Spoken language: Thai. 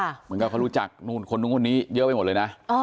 เหมือนกับเขารู้จักคนตรงนี้เยอะไปหมดเลยนะ